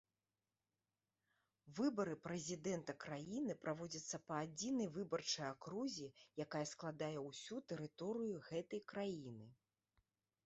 Выбары прэзідэнта краіны праводзяцца па адзінай выбарчай акрузе, якая складае ўсю тэрыторыю гэтай краіны.